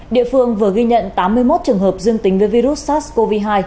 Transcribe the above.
địa phương vừa ghi nhận tám mươi một trường hợp dương tính với virus sars cov hai